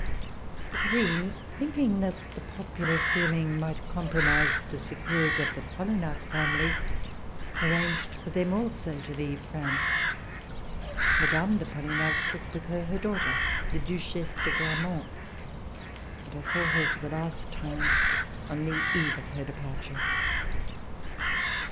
The Queen, thinking that the popular feeling might compromise RECOLLECTIONS OF THE REVOLUTION the security of the PoHgnac family, arranged for them also to leave France. Mme. de Polignac took with her her daughter, the Duchesse de Gramont, and I saw her for the last time on the eve of her departure.